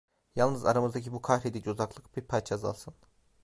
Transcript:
Yalnız aramızdaki bu kahredici uzaklık bir parça azalsın.